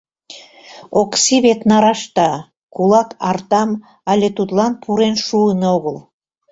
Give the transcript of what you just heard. Окси вет нарашта, кулак артам але тудлан пурен шуын огыл.